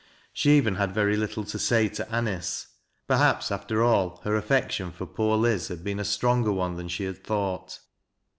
Slie even had very little to say to Anice. Perhaps after all, her affection for poor Liz had been a stronger one 'than she had thought.